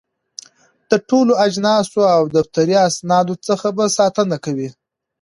د ټولو اجناسو او دفتري اسنادو څخه به ساتنه کوي.